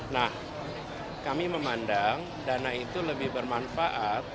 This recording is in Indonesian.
nah kami memandang dana itu lebih bermanfaat